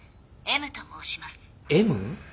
Ｍ？